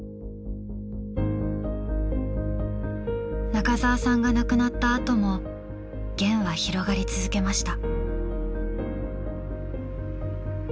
中沢さんが亡くなったあとも『ゲン』は広がり続けました。